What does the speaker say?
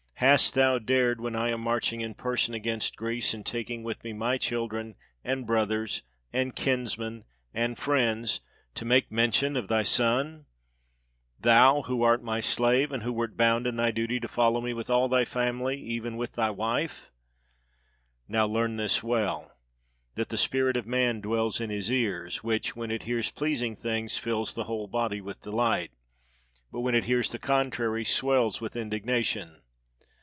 hast thou dared, when I am marching in person against Greece, and taking with me my children, and brothers, and kinsmen, and friends, to make men tion of thy son? thou, who art my slave, and who wert bound in duty to follow me with all thy family, even with thy wife. Now learn this well, that the spirit of man dwells in his ears; which, when it hears pleasing things, fills the whole body with delight, but when it hears the contrary, swells with indignation.